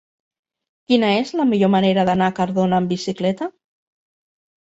Quina és la millor manera d'anar a Cardona amb bicicleta?